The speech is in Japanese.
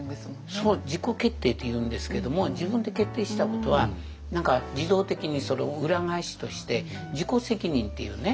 そう自己決定というんですけども自分で決定したことは自動的にそれを裏返しとして自己責任っていうね